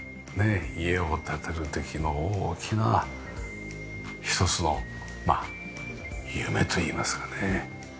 家を建てる時の大きな一つの夢といいますかね。